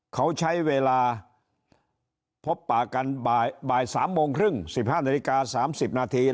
เขาใช้เวลาพบป่ากันบ่าย๓โมงครึ่ง๑๕นาฬิกา๓๐นาที